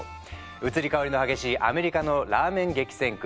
移り変わりの激しいアメリカのラーメン激戦区